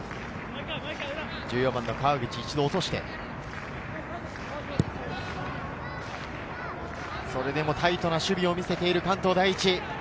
川口、一度落として、それでもタイトな守備を見せている関東第一。